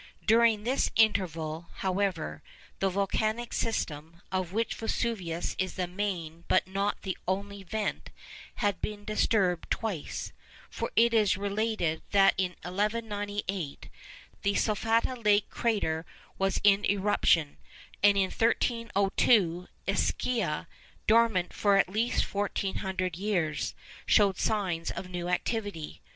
During this interval, however, the volcanic system, of which Vesuvius is the main but not the only vent, had been disturbed twice. For it is related that in 1198 the Solfatara Lake crater was in eruption: and in 1302, Ischia, dormant for at least 1,400 years, showed signs of new activity.